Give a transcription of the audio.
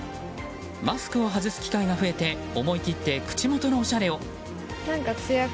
マスクを外す機会が増えて思い切って口元のおしゃれを。